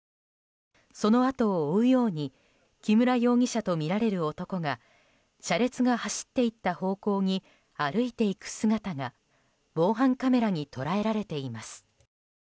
そのあとを追うように木村容疑者とみられる男が車列が走っていった方向に歩いていく姿が防犯カメラに捉えられています。